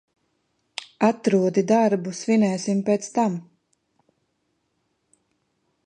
Atrodi darbu, svinēsim pēc tam.